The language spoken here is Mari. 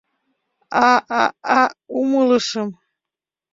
А-а-а, умылышым.